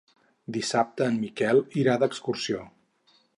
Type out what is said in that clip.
Dissabte en Miquel irà d'excursió.